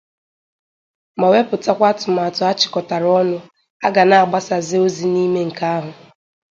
ma wepụtakwa atụmatụ a chịkọtara ọnụ a ga na-agbasozị n'ime nke ahụ.